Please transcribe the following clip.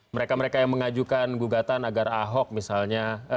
mereka mereka yang mengajukan gugatan agar ahok misalnya